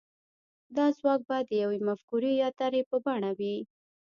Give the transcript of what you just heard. دا ځواک به د يوې مفکورې يا طرحې په بڼه وي.